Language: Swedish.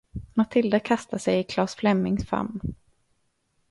Mathilda kastar sig i Claes Flemings famn.